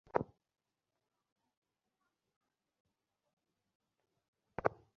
Head constable, উনাকে বসিয়ে দাও।